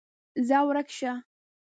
ځه ورک شه!